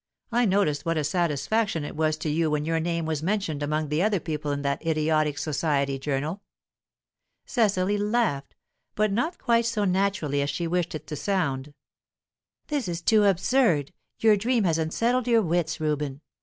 I noticed what a satisfaction it was to you when your name was mentioned among the other people in that idiotic society journal." Cecily laughed, but not quite so naturally as she wished it to sound. "This is too absurd Your dream has unsettled your wits, Reuben.